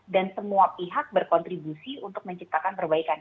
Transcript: dan semua pihak berkontribusi untuk menciptakan perbaikan